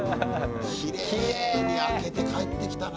きれいに空けて帰ってきたな。